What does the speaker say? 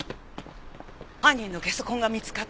犯人のゲソ痕が見つかったとか？